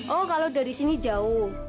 oh kalau dari sini jauh